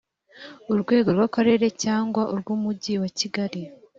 urwego rw’akarere cyangwa urw’umujyi wa kigali